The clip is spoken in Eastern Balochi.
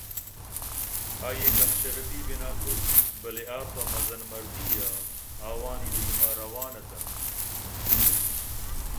آئی ءِ کم شرفی بناکُت بلئے آپہ مزن مردی ءَ آوانی دیمءَ روان اِت اَنت